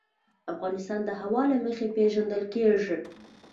افغانستان د هوا له مخې پېژندل کېږي.